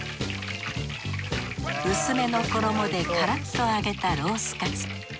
薄めの衣でカラッと揚げたロースカツ。